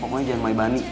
pokonya jangan mai bani